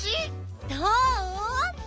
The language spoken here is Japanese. どう？